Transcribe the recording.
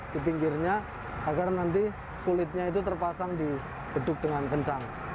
di pinggirnya agar nanti kulitnya itu terpasang di beduk dengan kencang